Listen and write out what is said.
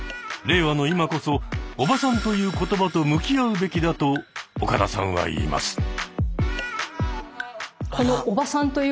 令和の今こそ「おばさん」という言葉と向き合うべきだと岡田さんは言います。